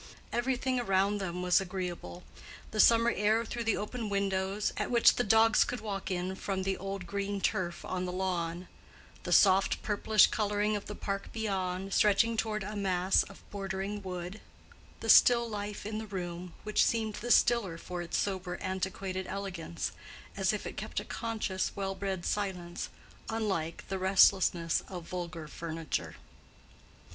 Everything around them was agreeable: the summer air through the open windows, at which the dogs could walk in from the old green turf on the lawn; the soft, purplish coloring of the park beyond, stretching toward a mass of bordering wood; the still life in the room, which seemed the stiller for its sober antiquated elegance, as if it kept a conscious, well bred silence, unlike the restlessness of vulgar furniture.